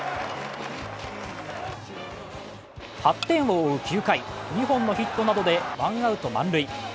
８点を追う９回、２本のヒットなどでワンアウト満塁。